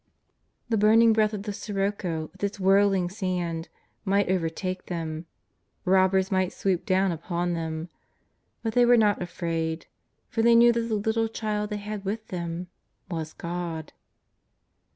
The burning breath of the sirocco, with its whirling sand, might overtake them, robbers might swoop down upon them. But they were not afraid, for they knew that the little Child they had with them — was God.